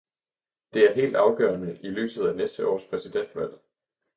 Det er helt afgørende i lyset af næste års præsidentvalg.